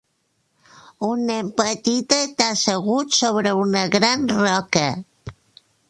un nen petit està assegut sobre una gran roca